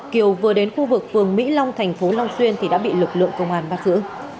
kiều vừa đến khu vực phường mỹ long thành phố long xuyên thì đã bị lực lượng công an bắt giữ